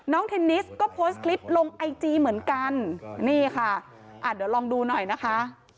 เทนนิสก็โพสต์คลิปลงไอจีเหมือนกันนี่ค่ะอ่ะเดี๋ยวลองดูหน่อยนะคะ